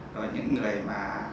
và những người mà